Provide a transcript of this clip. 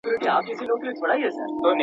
زر له مسو څخه باسې جادو ګر یې.